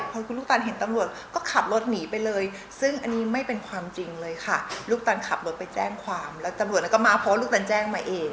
พอคุณลูกตันเห็นตำรวจก็ขับรถหนีไปเลยซึ่งอันนี้ไม่เป็นความจริงเลยค่ะลูกตันขับรถไปแจ้งความแล้วตำรวจแล้วก็มาเพราะว่าลูกตันแจ้งมาเอง